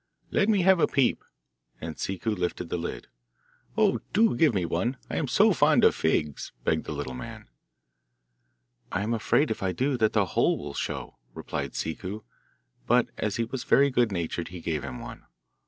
'Let me have a peep,' and Ciccu lifted the lid. 'Oh, do give me one, I am so fond of figs,' begged the little man. 'I am afraid if I do that the hole will show,' replied Ciccu, but as he was very good natured he gave him one.